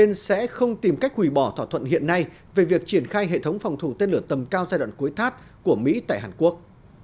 trong các hội đàm song phương của mỹ tại hàn quốc